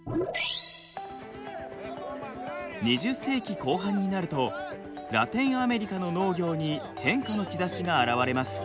２０世紀後半になるとラテンアメリカの農業に変化の兆しが現れます。